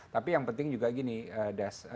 tapi yang penting juga gini